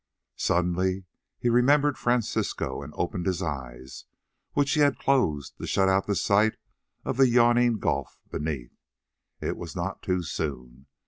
Suddenly he remembered Francisco, and opened his eyes, which he had closed to shut out the sight of the yawning gulf beneath. It was not too soon.